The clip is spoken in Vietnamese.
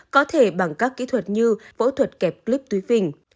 có thể bằng các kỹ thuật như phẫu thuật kẹp clip túi phình